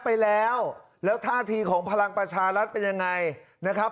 ไปแล้วแล้วท่าทีของพลังประชารัฐเป็นยังไงนะครับ